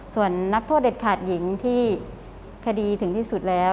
ส่วนนักโทษเด็ดขาดหญิงที่คดีถึงที่สุดแล้ว